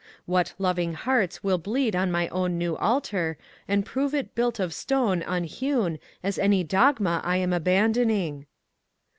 What loving hearts will bleed on my own new altar, and prove it built of stone unhewn as any dogma I am abandoning?